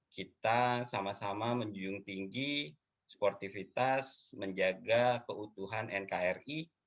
kita sama sama menjunjung tinggi sportivitas menjaga keutuhan nkri